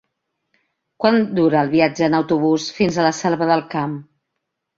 Quant dura el viatge en autobús fins a la Selva del Camp?